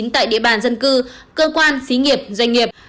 tại địa bàn dân cư cơ quan xí nghiệp doanh nghiệp